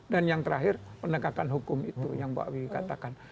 dan yang terakhir pendegakan hukum itu yang mbak wiwi katakan